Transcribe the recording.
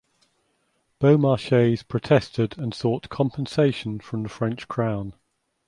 Beaumarchais protested and sought compensation from the French Crown.